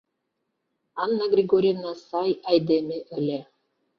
Анна Григорьевна сай айдеме ыле.